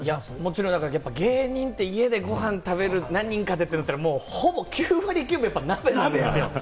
芸人って家で、ごはん食べる、何人かでってなったら、ほぼ９割９分、鍋ですよ。